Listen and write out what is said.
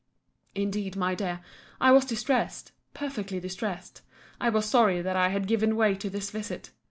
Indeed, my dear, I was distressed, perfectly distressed. I was sorry that I had given way to this visit.